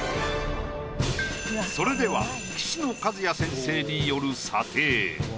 それでは岸野和矢先生による。